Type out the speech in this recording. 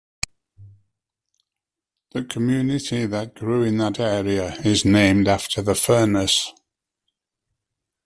The community that grew in that area is named after the furnace.